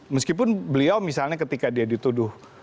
meskipun beliau misalnya ketika dia dituduh